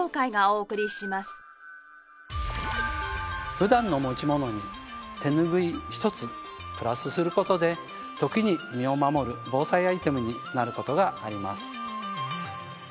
普段の持ち物に手ぬぐい一つプラスする事で時に身を守る防災アイテムになる事があります。